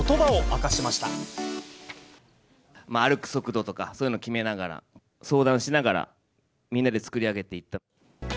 歩く速度とか、そういうの決めながら、相談しながらみんなで作り上げていった。